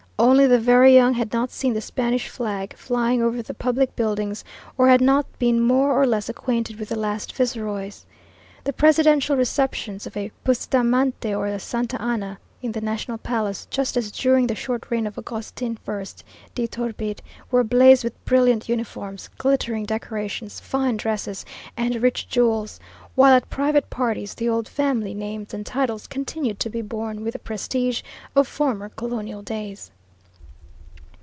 Only the very young had not seen the Spanish flag flying over the public buildings or had not been more or less acquainted with the last viceroys. The presidential receptions of a Bustamante or a Santa Anna in the National Palace, just as during the short reign of Augustin I de Iturbide, were ablaze with brilliant uniforms, glittering decorations, fine dresses, and rich jewels, while at private parties the old family names and titles continued to be borne with the prestige of former colonial days.